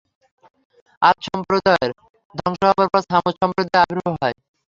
আদ সম্প্রদায়ের ধ্বংস হবার পর ছামূদ সম্প্রদায়ের আবির্ভাব হয়।